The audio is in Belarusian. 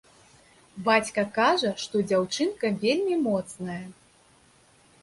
Бацька кажа, што дзяўчынка вельмі моцная.